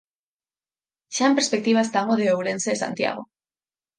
Xa en perspectiva están o de Ourense e Santiago.